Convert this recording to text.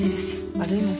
悪いもん。